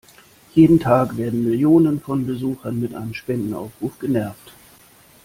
Jeden Tag werden Millionen von Besuchern mit einem Spendenaufruf genervt.